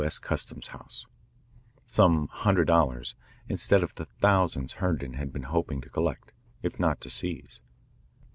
S. Custom House," some hundred dollars instead of the thousands Herndon had been hoping to collect, if not to seize.